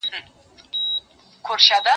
ليک د زده کوونکي له خوا لوستل کيږي!.